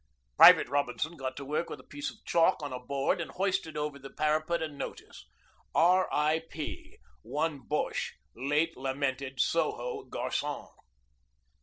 Private Robinson got to work with a piece of chalk on a board and hoisted over the parapet a notice, 'R.I.P. 1 Boshe, late lamented Soho garçon.'